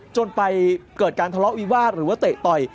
จนไปเกิดการทะเลาะวิวาสหรือว่าเตะต่อย